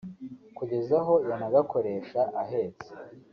kugeza aho yanagakoresha ahetse